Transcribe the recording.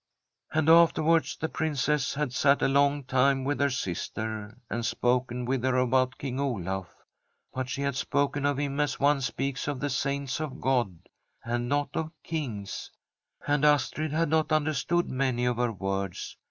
' And afterwards the Princess had sat a long time with her sister, and spoken with her about King Olaf. But she had spoken of him as one speaKS of the Saints of God, and not of kings, and Astrid had not understood many of her words.